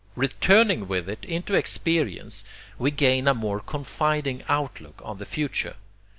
Returning with it into experience, we gain a more confiding outlook on the future.